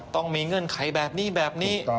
ต้องมีเงื่อนไขแบบนี้แบบนี้